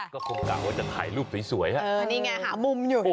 ก็คงกะว่าจะถ่ายรูปสวยนี่ไงหามุมอยู่